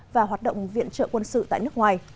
và hoạt động viện trợ quân sự tại nước ngoài